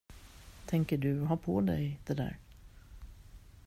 Tänker du ha på dig det där?